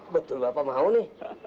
betul bapak mau nih